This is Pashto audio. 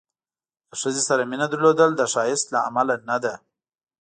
د ښځې سره مینه درلودل د ښایست له امله نه ده.